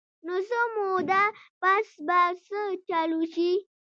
نو څۀ موده پس به څۀ چل اوشي -